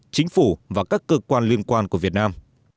chính phủ và các cơ quan liên quan của việt nam